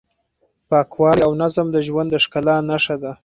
پاکوالی او نظم د ژوند د ښکلا نښه ده.